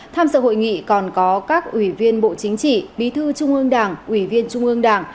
tham dự hội nghị còn có các ủy viên bộ chính trị bí thư trung ương đảng ủy viên trung ương đảng